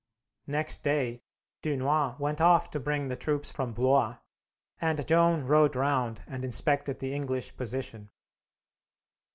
Next day, Dunois went off to bring the troops from Blois, and Joan rode round and inspected the English position.